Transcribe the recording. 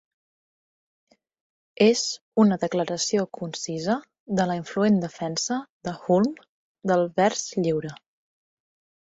És una declaració concisa de la influent defensa de Hulme del vers lliure.